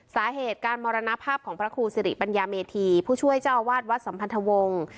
สาเหตุการมรณภาพของพระครูสิริปัญญาเมธีผู้ช่วยเจ้าอาวาสวัดสัมพันธวงศ์